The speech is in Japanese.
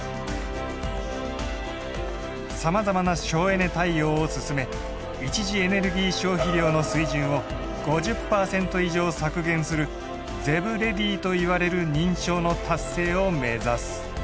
さまざまな省エネ対応を進め一次エネルギー消費量の水準を５０％以上削減する「ＺＥＢＲｅａｄｙ」といわれる認証の達成をめざす。